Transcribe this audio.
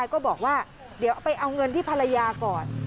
ก็บอกว่าเดี๋ยวเอาไปเอาเงินที่ภรรยาก่อน